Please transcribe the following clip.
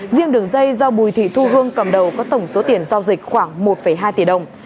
riêng đường dây do bùi thị thu hương cầm đầu có tổng số tiền giao dịch khoảng một hai tỷ đồng